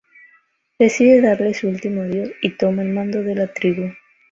Decide darle su último adiós y toma el mando de la tribu.